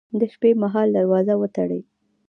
د شپې مهال دروازه وتړئ